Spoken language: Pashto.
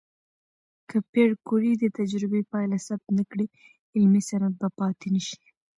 که پېیر کوري د تجربې پایله ثبت نه کړي، علمي سند به پاتې نشي.